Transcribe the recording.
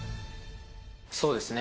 そうですね。